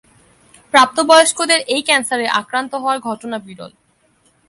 প্রাপ্তবয়স্কদের এই ক্যান্সারে আক্রান্ত হওয়ার ঘটনা বিরল।